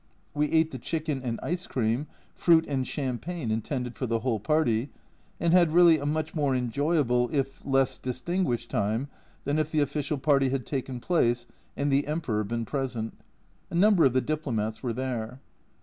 We ate the chicken and ice cream, fruit and champagne intended for the whole party, and had really a much more enjoyable, if less distinguished, time than if the official party had taken place and the Emperor been present. A number of the diplomats were there.